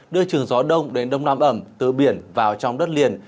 đưa trường gió đông đến đông nam ẩm từ biển vào trong đất liền